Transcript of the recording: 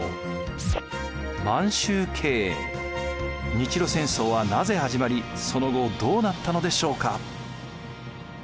日露戦争はなぜ始まりその後どうなったのでしょうか？